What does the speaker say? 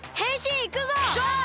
ゴー！